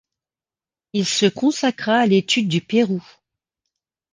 Il se consacra à l'étude du Pérou.